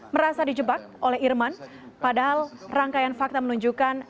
merasa dijebak oleh irman padahal rangkaian fakta menunjukkan